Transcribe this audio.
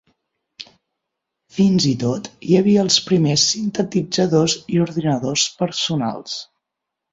Fins i tot hi havia els primers sintetitzadors i ordinadors personals.